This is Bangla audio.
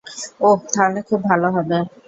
অহ, তাহলে খুব ভালো হবে।